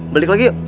balik lagi yuk